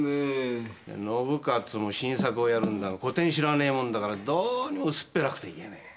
信雄も新作をやるんだが古典知らねえもんだからどうにも薄っぺらくていけねえ。